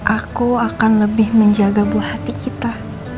aku akan lebih menjaga buah hati kita